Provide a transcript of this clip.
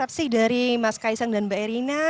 terima kasih dari mas kaisang dan mbak erina